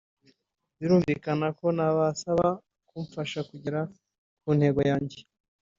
birumvika ko nabasaba kumfasha kugera ku ntego yanjye